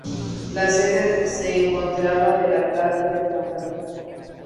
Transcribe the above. La sede se encontraba en la plaza de San Francisco.